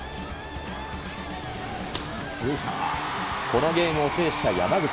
このゲームを制した山口。